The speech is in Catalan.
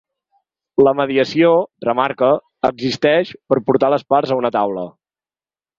La mediació, remarca, existeix ‘per portar les parts a una taula’.